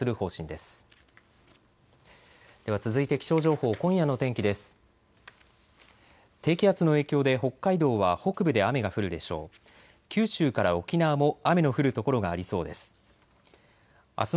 では続いて気象情報、今夜の天気です。